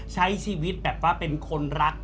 ใช้ชีวิตเป็นคนรัก